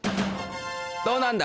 どうなんだ？